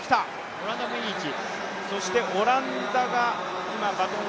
オランダもいい位置。